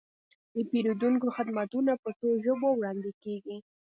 د پیرودونکو خدمتونه په څو ژبو وړاندې کیږي.